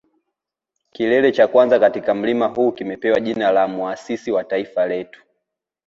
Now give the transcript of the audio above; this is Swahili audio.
Kilele cha kwanza katika mlima huu kimepewa jina la muasisi wa taifa letu